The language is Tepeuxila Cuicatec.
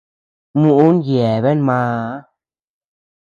Muʼün yebean maa.